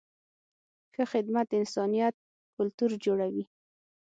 ښه خدمت د انسانیت کلتور جوړوي.